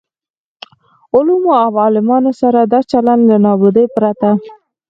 علومو او عالمانو سره دا چلن له نابودۍ پرته.